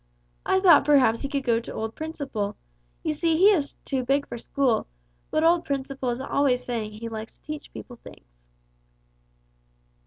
I thought perhaps he could go to old Principle. You see he is too big for school, but old Principle is always saying he likes to teach people things."